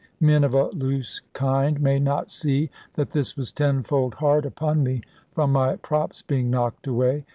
Men of a loose kind may not see that this was tenfold hard upon me, from my props being knocked away.